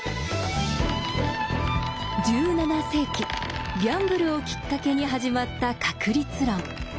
１７世紀ギャンブルをきっかけに始まった確率論。